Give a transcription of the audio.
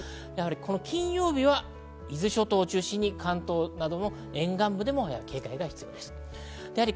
金曜日は伊豆諸島を中心に関東などの沿岸部でも警戒が必要です。